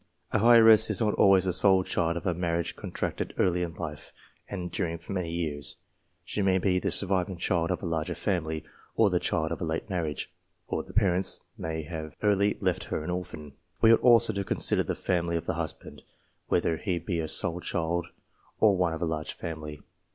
An heiress is not always the sole child of a marriage con tracted early in life and enduring for many years. She may be the surviving child of a larger family, or the child of a late marriage, or the parents may have early left her an orphan. We ought also to consider the family of the husband, whether he be a sole child, or one of a large family.